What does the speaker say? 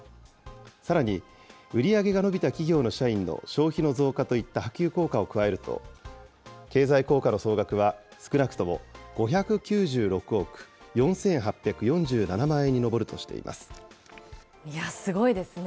さらに売り上げが伸びた企業の社員の消費の増加といった波及効果を加えると、経済効果の総額は少なくとも５９６億４８４７万円にすごいですね。